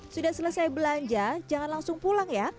sudah selesai belanja jangan langsung pulang ya